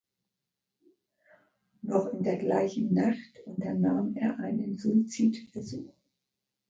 Noch in der gleichen Nacht unternahm er einen Suizidversuch.